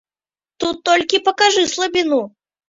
Тут толькі пакажы слабіну.